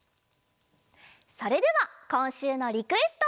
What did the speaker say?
それではこんしゅうのリクエスト！